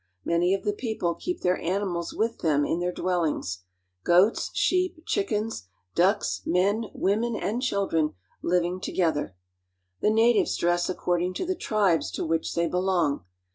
Many of the people keep their aoi J mals with them iu their dwellings; goats, sheep, chickens.j ^^^ ducks, men, women, and children living together. I ^^^V The natives dress according to the tribes to which they'J ^^H^long.